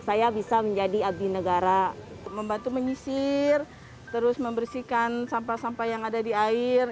saya terus membersihkan sampah sampah yang ada di air